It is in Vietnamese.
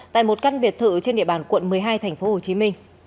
tại một căn biệt thự trên địa bàn quận một mươi hai tp hcm